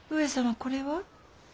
これは。